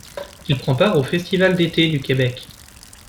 Il prend part au Festival d'été du Québec.